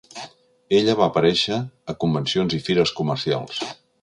Ella va aparèixer a convencions i fires comercials.